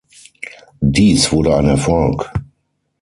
Dies wurde ein Erfolg.